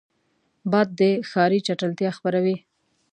باد د ښاري چټلتیا خپروي